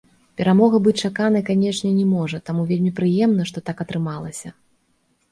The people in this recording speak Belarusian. Перамога быць чаканай, канечне, не можа, таму вельмі прыемна, што так атрымалася.